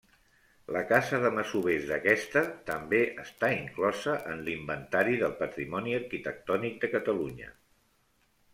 La casa de masovers d'aquesta també està inclosa en l'Inventari del Patrimoni Arquitectònic de Catalunya.